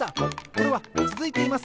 これはつづいています！